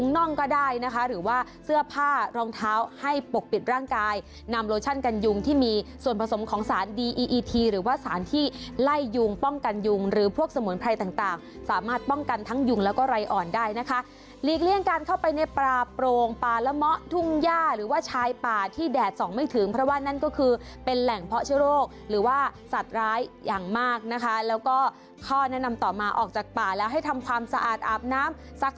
น่องก็ได้นะคะหรือว่าเสื้อผ้ารองเท้าให้ปกปิดร่างกายนำโลชั่นกันยุงที่มีส่วนผสมของสารดีอีอีทีหรือว่าสารที่ไล่ยุงป้องกันยุงหรือพวกสมุนไพรต่างต่างสามารถป้องกันทั้งยุงแล้วก็ไรอ่อนได้นะคะหลีกเลี่ยงการเข้าไปในปลาโปรงปลาระมะทุ่งหญ้าหรือว่าชายป่าที่แดดส่องไม่ถึงเพราะว่านั่